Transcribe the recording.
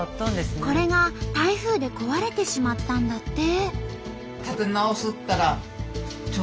これが台風で壊れてしまったんだって。